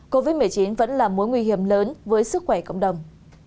covid một mươi chín vẫn là mối nguy hiểm lớn với sức khỏe cộng đồng